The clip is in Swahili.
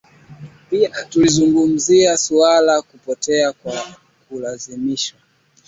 Pia tulizungumzia suala la kupotea kwa kulazimishwa